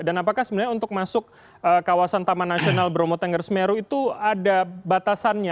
dan apakah sebenarnya untuk masuk kawasan taman nasional bromo tengger semeru itu ada batasannya